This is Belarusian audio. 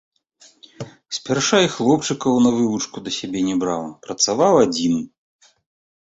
Спярша і хлопчыкаў на вывучку да сябе не браў, працаваў адзін.